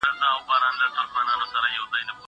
زه بوټونه نه پاکوم.